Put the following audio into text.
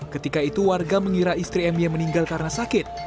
ketika itu warga mengira istri my meninggal karena sakit